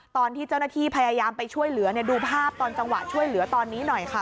ตอนที่เจ้าหน้าที่พยายามไปช่วยเหลือดูภาพตอนจังหวะช่วยเหลือตอนนี้หน่อยค่ะ